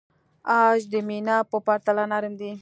عاج د مینا په پرتله نرم دی.